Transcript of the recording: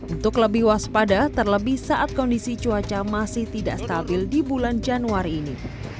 untuk lebih waspada terlebih saat kondisi cuaca masih tidak stabil di bulan januari ini